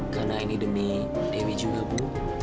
karena ini demi dewi juga bu